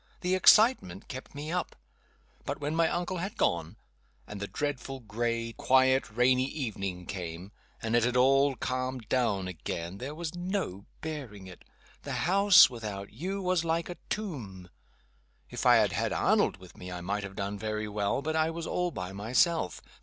The excitement kept me up. But when my uncle had gone, and the dreadful gray, quiet, rainy evening came, and it had all calmed down again, there was no bearing it. The house without you was like a tomb. If I had had Arnold with me I might have done very well. But I was all by myself.